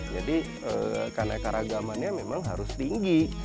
jadi karnaika ragamannya memang harus tinggi